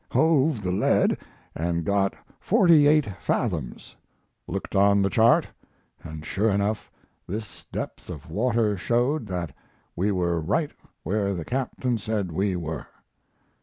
Hove the lead and got forty eight fathoms; looked on the chart, and sure enough this depth of water showed that we were right where the captain said we were.